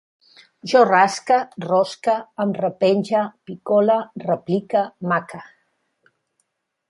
Jo rasque, rosque, em repenge, picole, replique, maque